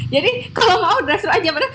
jadi kalau mau dress up aja pada